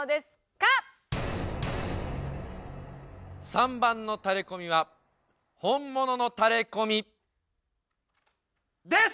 ３番のタレコミは本物のタレコミです！